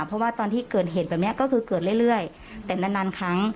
เพราะว่าตอนที่เกิดเหตุแบบนี้ก็คือเกิดเรื่อยแต่นานนานครั้ง